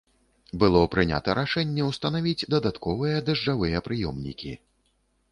Было прынята рашэнне ўстанавіць дадатковыя дажджавыя прыёмнікі.